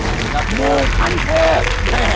สวัสดีครับมูขั้นเทพ